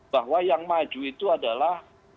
bahwa yang maju itu adalah